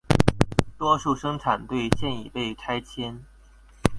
多数生产队现已被拆迁。